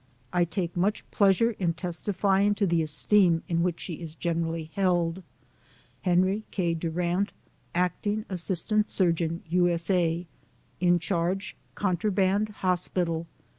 I take much pleasure in testifying to the esteem in which she is generally held. HKNEY K. DUEEANT, Acting Assistant Surgeon, II. S. A. In charge " Contraband " Hospital.